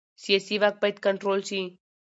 سیاسي واک باید کنټرول شي